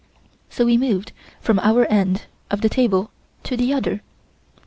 So we moved from our end of the table to the other.